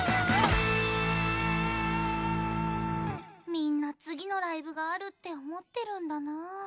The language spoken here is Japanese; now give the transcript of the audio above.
みんな次のライブがあるって思ってるんだなあ。